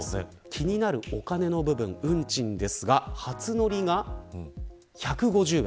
気になるお金の部分運賃ですが初乗りが１５０円。